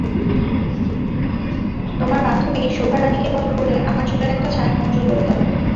তোমার বান্ধবী শোভা রানীকে বলে আমার চুলের একটা ছাঁট মঞ্জুর করে দাও।